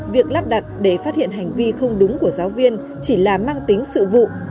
việc lắp đặt để phát hiện hành vi không đúng của giáo viên chỉ là mang tính sự vụ